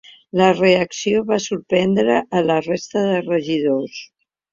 La reacció va sorprendre la resta de regidors.